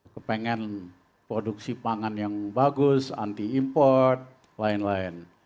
kepengen produksi pangan yang bagus anti import lain lain